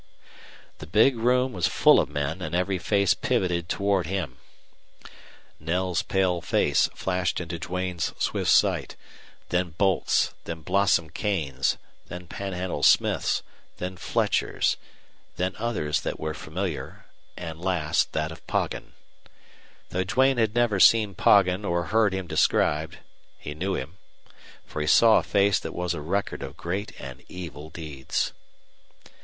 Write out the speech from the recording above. The big room was full of men, and every face pivoted toward him. Knell's pale face flashed into Duane's swift sight; then Boldt's, then Blossom Kane's, then Panhandle Smith's, then Fletcher's, then others that were familiar, and last that of Poggin. Though Duane had never seen Poggin or heard him described, he knew him. For he saw a face that was a record of great and evil deeds.